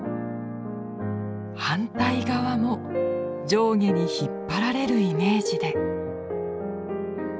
反対側も上下に引っ張られるイメージで。